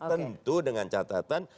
tentu dengan catatan